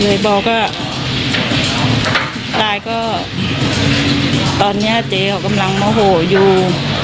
เลยบอกว่าตายก็ตอนนี้เจ๊เขากำลังโมโหอยู่